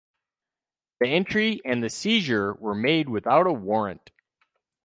The entry and the seizure were made without a warrant.